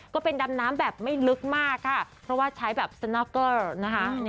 ก็เป็นดำน้ำแบบไม่ลึกมากค่ะเพราะว่าใช้แบบสน็อกเกอร์นะคะ